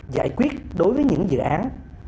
giải quyết đối với những dự án